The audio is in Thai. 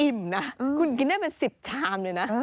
นะคุณกินได้เป็น๑๐ชามเลยนะ